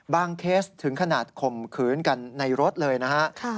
เคสถึงขนาดข่มขืนกันในรถเลยนะฮะ